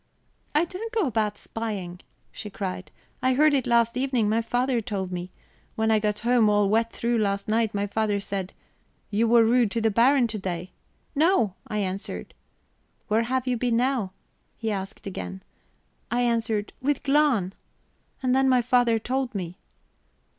"I don't go about spying," she cried. "I heard it last evening; my father told me. When I got home all wet through last night, my father said: 'You were rude to the Baron to day.' 'No,' I answered. 'Where have you been now?' he asked again. I answered: 'With Glahn.' "And then my father told me."